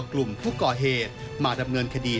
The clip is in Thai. กลุ่มผู้ก่อเหตุมาดำเนินคดี